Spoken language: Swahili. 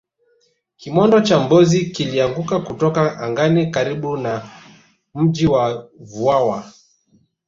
kimondo cha mbozi kilianguka kutoka angani karibu na mji wa vwawa